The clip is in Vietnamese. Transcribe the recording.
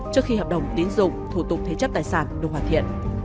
trước khi hợp đồng tín dụng thủ tục thế chấp tài sản được hoàn thiện